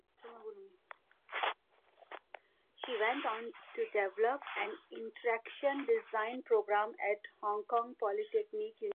She went on to develop an Interaction Design program at Hong Kong Polytechnic University.